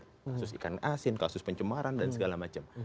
kasus ikan asin kasus pencemaran dan segala macam